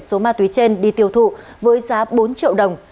số ma túy trên đi tiêu thụ với giá bốn triệu đồng